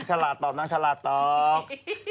ฉลาดตอบนางฉลาดตอบ